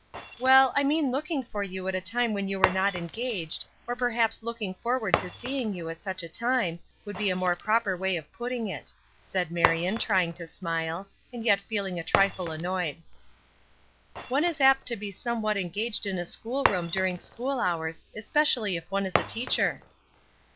"Well, I mean looking for you at a time when you were not engaged, or perhaps looking forward to seeing you at such a time, would be a more proper way of putting it," said Marion, trying to smile, and yet feeling a trifle annoyed. "One is apt to be somewhat engaged in a school room during school hours, especially if one is a teacher."